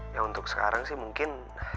ya untuk sekarang sih mungkin